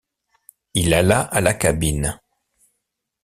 Il alla à la cabine.